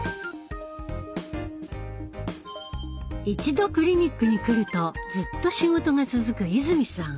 一度クリニックに来るとずっと仕事が続く泉さん。